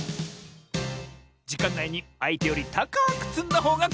じかんないにあいてよりたかくつんだほうがかちサボよ！